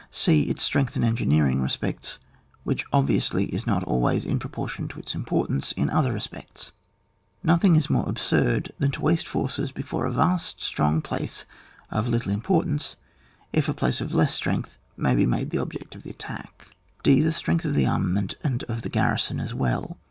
{c) Its strength in engineering respects, which obviously is not always in propor tion to its importance in o^er respectSb Nothing is more absurd than to waste forces before a very strong place of little importance, if a place of less strength may be made the object of attack. {^ The strength of the armament and of the garrison as well.